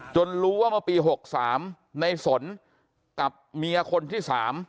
รู้ว่าเมื่อปี๖๓ในสนกับเมียคนที่๓